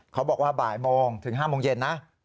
เขาบอกว่าบ่ายโมงถึง๕โมงเย็นนะ